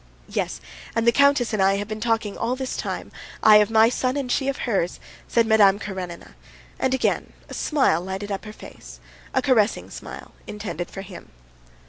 "Yes, the countess and I have been talking all the time, I of my son and she of hers," said Madame Karenina, and again a smile lighted up her face, a caressing smile intended for him.